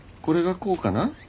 これがこうかな？